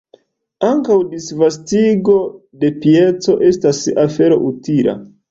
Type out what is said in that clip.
Ankaŭ disvastigo de pieco estas afero utila.